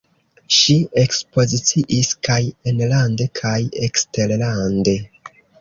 Ŝi ekspoziciis kaj enlande kaj eksterlande.